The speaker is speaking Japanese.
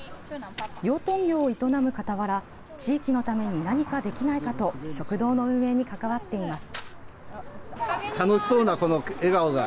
養豚業を営むかたわら地域のために何かできないかと食堂の運営に関わっています。